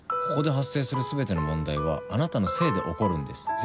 ここで発生する全ての問題はあなたのせいで起こるんです。